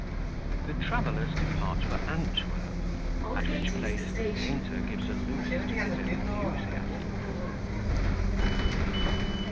The Travellers depart for Antwerp, at which place the Painter gives a loose to his Enthusiasm.